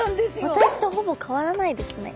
私とほぼ変わらないですね。